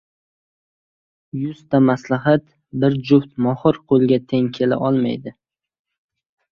• Yuzta maslahat bir juft mohir qo‘lga teng kelmaydi.